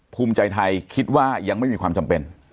ภูมิใจไทยคิดว่ายังไม่มีความจำเป็น